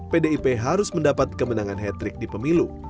pdip harus mendapat kemenangan hetrik di pemilu